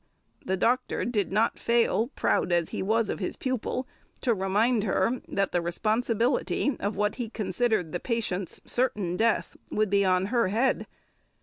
The doctor did not fail, proud as he was of his pupil, to remind her that the responsibility of what he considered the patient's certain death would be on her head.